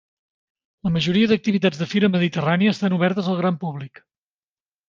La majoria d'activitats de Fira Mediterrània estan obertes al gran públic.